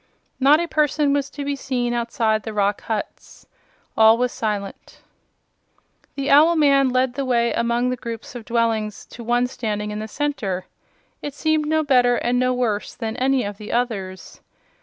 Not a person was to be seen outside the rock huts. All was silent. The owl man led the way among the groups of dwellings to one standing in the center. It seemed no better and no worse than any of the others.